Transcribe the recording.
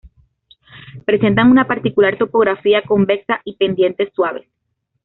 Presentan una particular topografía convexa y pendientes suaves.